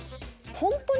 「ホントに？」